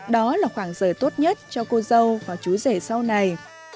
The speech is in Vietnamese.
đó là khoảng giờ tốt nhất cho cô dâu và chú rể sau này